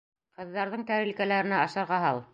Ҡыҙҙарҙың тәрилкәләренә ашарға һал!